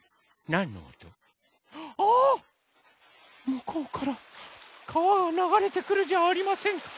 むこうからかわがながれてくるじゃありませんか。